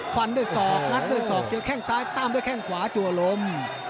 ฟันด้วยศอกงัดด้วยศอกเจอแข้งซ้ายตามด้วยแข้งขวาจัวลม